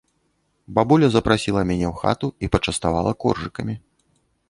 Бабуля запрасіла мяне ў хату і пачаставала коржыкамі.